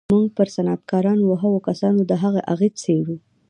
موږ پر صنعتکارانو او هغو کسانو د هغه اغېز څېړو